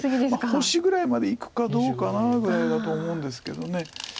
星ぐらいまでいくかどうかなぐらいだと思うんですけど。